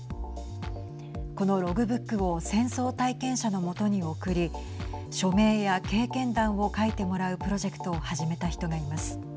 このログブックを戦争体験者の元に送り署名や経験談を書いてもらうプロジェクトを始めた人がいます。